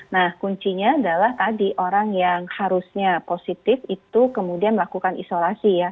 nah kuncinya adalah tadi orang yang harusnya positif itu kemudian melakukan isolasi ya